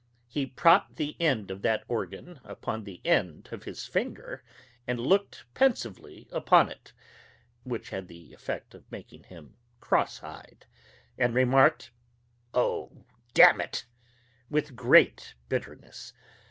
He propped the end of that organ upon the end of his finger, and looked pensively upon it which had the effect of making him cross eyed and remarked, "O, damn it!" with great bitterness.